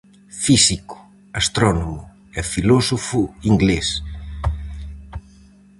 Físico, astrónomo e filósofo inglés.